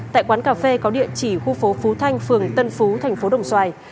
tại quán cà phê có địa chỉ khu phố phú thanh phường tân phú thành phố đồng xoài